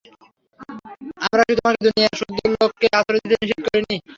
আমরা কি তোমাকে দুনিয়া শুদ্ধ লোককে আশ্রয় দিতে নিষেধ করিনি?